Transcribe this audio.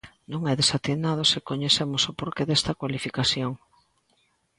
Non é desatinado se coñecemos o porqué desta cualificación.